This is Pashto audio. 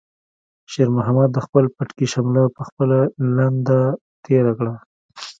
شېرمحمد د خپل پټکي شمله په خپله لنده تېره کړه.